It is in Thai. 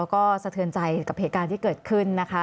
ก็สะเทือนใจกับเหตุการณ์ที่เกิดขึ้นนะคะ